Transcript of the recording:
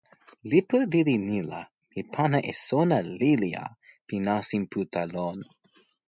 lipu lili ni la mi pana e sona lili a pi nasin Puta lon.